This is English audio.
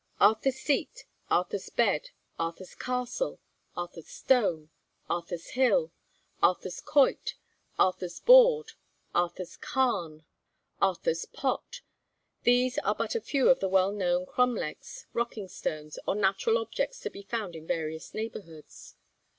Arthur's Seat, Arthur's Bed, Arthur's Castle, Arthur's Stone, Arthur's Hill, Arthur's Quoit, Arthur's Board, Arthur's Carn, Arthur's Pot these are but a few of the well known cromlechs, rocking stones, or natural objects to be found in various neighbourhoods.